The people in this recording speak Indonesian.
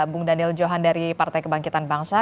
bung daniel johan dari partai kebangkitan bangsa